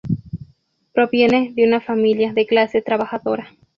Proviene de una familia de clase trabajadora.